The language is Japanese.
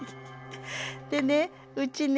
でねうちね